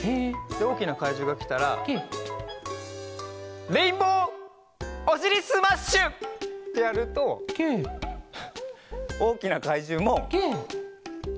でおおきなかいじゅうがきたらレインボーおしりスマッシュ！ってやるとおおきなかいじゅうもレインボーにかがやきます。